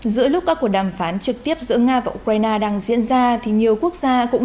giữa lúc các cuộc đàm phán trực tiếp giữa nga và ukraine đang diễn ra thì nhiều quốc gia cũng